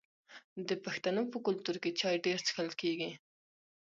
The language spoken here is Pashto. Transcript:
د پښتنو په کلتور کې چای ډیر څښل کیږي.